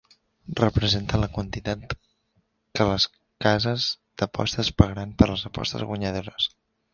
Representa la quantitat que les cases d'apostes pagaran per les apostes guanyadores.